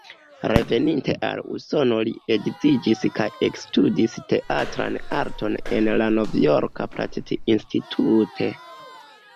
Reveninte al Usono li edziĝis kaj ekstudis teatran arton en la Novjorka "Pratt Institute".